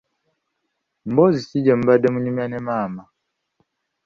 Mboozi ki gye mubadde munyumya ne maama?